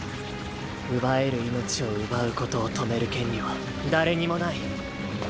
奪える命を奪うことを止める権利は誰にもない。